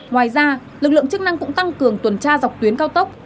ngoài ra lực lượng chức năng cũng tăng cường tuần tra dọc tuyến cao tốc